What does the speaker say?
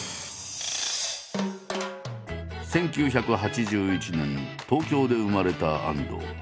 １９８１年東京で生まれた安藤。